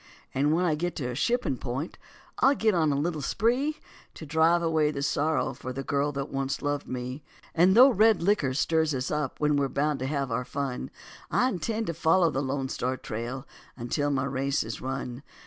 And when I get to a shipping point, I'll get on a little spree To drive away the sorrow for the girl that once loved me. And though red licker stirs us up we're bound to have our fun, And I intend to follow the Lone Star Trail until my race is run.